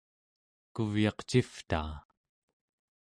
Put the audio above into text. kuvyaq civtaa